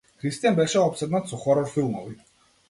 Христијан беше опседнат со хорор филмови.